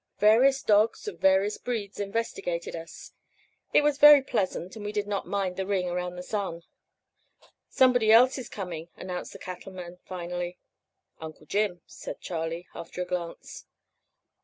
Various dogs of various breeds investigated us. It was very pleasant, and we did not mind the ring around the sun. "Somebody else coming," announced the Cattleman finally. "Uncle Jim," said Charley, after a glance.